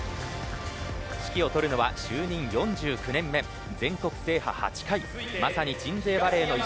指揮を執るのは就任４９年目全国制覇８回まさに鎮西バレーの礎